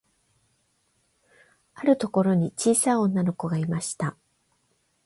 あるところに、ちいさい女の子がいました。